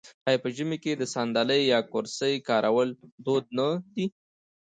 آیا په ژمي کې د ساندلۍ یا کرسۍ کارول دود نه دی؟